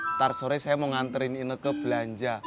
ntar sore saya mau nganterin ini ke belanja